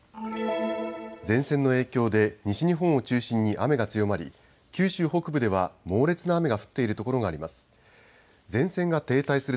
前線の影響で西日本を中心に雨が強まり九州北部では猛烈な雨が降っている所があります。